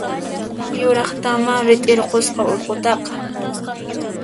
Yuraqtamá rit'irusqa urqutaqa!